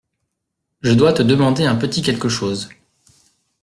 Je dois te demander un petit quelque chose.